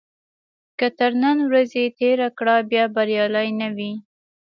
که تر نن ورځې تېره کړه بیا بریالی نه وي.